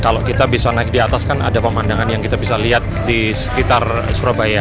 kalau kita bisa naik di atas kan ada pemandangan yang kita bisa lihat di sekitar surabaya